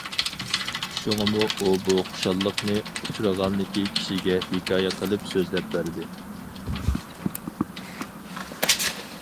شۇڭىمۇ ئۇ بۇ خۇشاللىقىنى ئۇچرىغانلىكى كىشىگە ھېكايە قىلىپ سۆزلەپ بەردى.